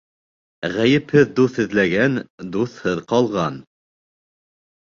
Ғәйепһеҙ дуҫ эҙләгән дуҫһыҙ ҡалған